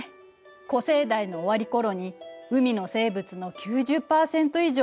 古生代の終わり頃に海の生物の９０％以上が絶滅したって話ね。